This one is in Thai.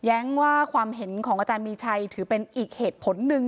ว่าความเห็นของอาจารย์มีชัยถือเป็นอีกเหตุผลหนึ่ง